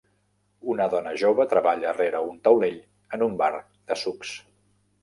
Una dona jove treballa rere un taulell en un bar de sucs.